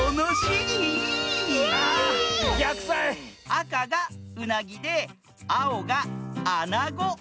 あかがうなぎであおがあなご！